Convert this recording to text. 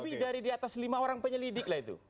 itu di atas lima orang penyelidik lah itu